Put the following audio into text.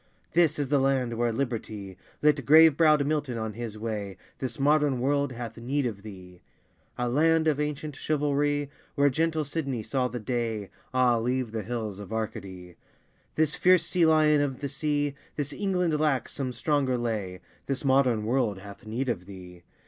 This is the land where liberty Lit grave browed Milton on his way, This modern world hath need of thee! A land of ancient chivalry Where gentle Sidney saw the day, Ah, leave the hills of Arcady. This fierce sea lion of the sea, This England lacks some stronger lay, This modern world hath need of thee!